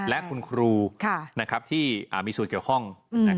และคุณครูค่ะนะครับที่อ่ามีสูตรเกี่ยวข้องอืม